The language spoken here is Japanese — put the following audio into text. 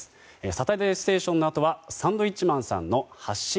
「サタデーステーション」のあとはサンドウィッチマンさんの「発進！